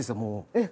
えっ！